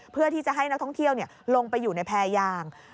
เพื่อที่จะให้นักท่องเที่ยวลงไปอยู่ในแพรยาง